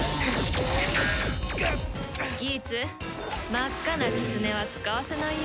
真っ赤なキツネは使わせないよ。